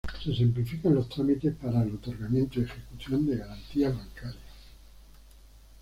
Se simplifican los trámites para el otorgamiento y ejecución de garantías bancarias.